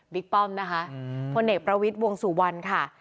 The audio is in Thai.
ป้อมนะคะพลเอกประวิทย์วงสุวรรณค่ะ